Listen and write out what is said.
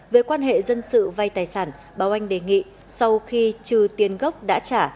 về quan hệ dân sự vay tài sản báo oanh đề nghị sau khi trừ tiền gốc đã trả